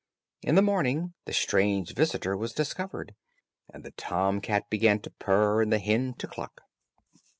In the morning, the strange visitor was discovered, and the tom cat began to purr, and the hen to cluck.